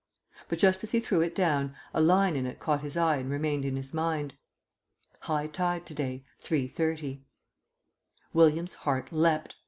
But just as he threw it down, a line in it caught his eye and remained in his mind: "High tide to day 3.30." William's heart leapt.